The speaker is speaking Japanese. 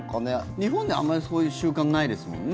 日本であんまりそういう習慣ないですもんね。